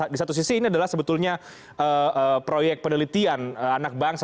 di satu sisi ini adalah sebetulnya proyek penelitian anak bangsa